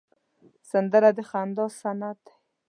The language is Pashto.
سندره د خندا سند دی